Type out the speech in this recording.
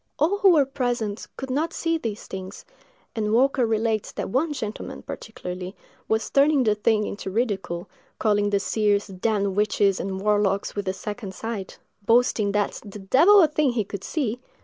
All who were present could not see these things, and Walker relates that one gentleman, particularly, was turning the thing into ridicule, calling the seers "damned witches and warlocks, with the second sight!"—boasting that "the devil a thing he could see!"